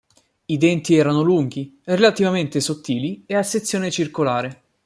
I denti erano lunghi, relativamente sottili e a sezione circolare.